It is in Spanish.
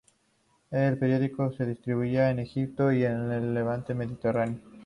El periódico se distribuía en Egipto y en el Levante mediterráneo.